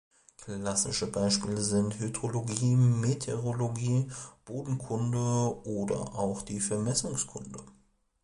Klassische Beispiele sind Hydrologie, Meteorologie, Bodenkunde oder auch die Vermessungskunde.